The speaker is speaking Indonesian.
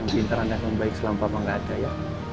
mungkin terandai yang baik selama papa nggak ada ya